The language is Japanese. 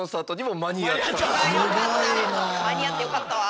間に合ってよかったわ。